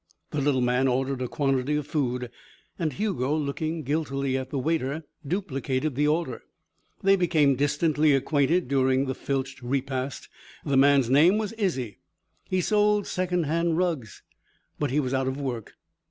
The little man ordered a quantity of food, and Hugo, looking guiltily at the waiter, duplicated the order. They became distantly acquainted during the filched repast. The little man's name was Izzie. He sold second hand rugs. But he was out of work.